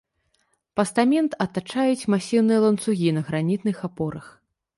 Пастамент атачаюць масіўныя ланцугі на гранітных апорах.